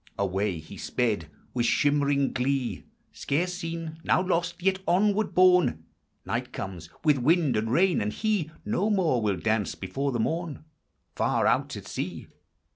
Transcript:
Away he sped with shimmering glee I Scarce seen — now lost — yet onward borne ! Night comes !— with wind and rain — and he No more will dance before the Morn, Far out a! >< a.